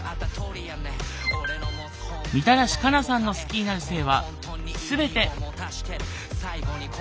みたらし加奈さんの好きになる性は全て。